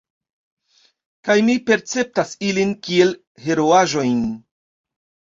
Kaj mi perceptas ilin kiel heroaĵojn.